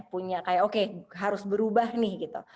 punya kayak oke harus berubah nih gitu